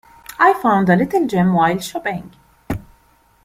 I found a little gem while shopping.